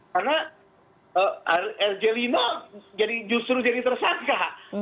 karena rjlino justru jadi tersangka